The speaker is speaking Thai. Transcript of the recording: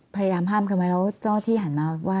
พยายามห้ามกันไว้แล้วเจ้าที่หันมาว่า